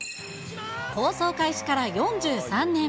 放送開始から４３年。